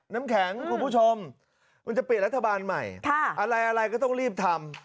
น้ำแข็งคุณผู้ชมมันจะเปลี่ยนรัฐบาลใหม่อะไรก็ต้องรีบทำ